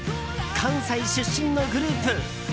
関西出身のグループ